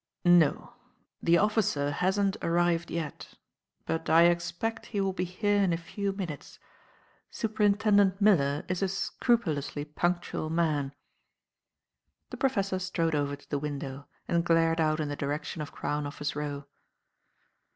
"No; the officer hasn't arrived yet, but I expect he will be here in a few minutes. Superintendent Miller is a scrupulously punctual man." The professor strode over to the window and glared out in the direction of Crown Office Row.